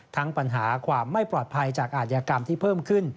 ปัญหาความไม่ปลอดภัยจากอาธิกรรมที่เพิ่มขึ้น